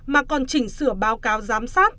mà còn chỉnh sửa báo cáo giám sát